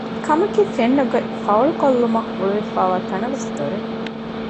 ކަމަކީ ފެންނަ ގޮތް ފައުޅު ކޮށްލުމަށް ހުޅުވިފައިވާ ތަނަވަސް ދޮރެއް